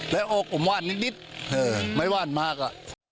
แล้วออกอนะออกมานิดไม่บ้านมากอะ